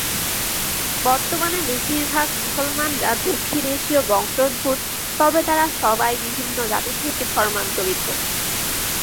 বর্তমানে বেশিরভাগ মুসলমানরা দক্ষিণ এশীয় বংশোদ্ভূত তবে তারা সবাই বিভিন্ন জাতি থেকে ধর্মান্তরিত।